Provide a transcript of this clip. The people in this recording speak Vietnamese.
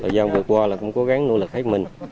dòng vượt qua là cũng cố gắng nỗ lực hết mình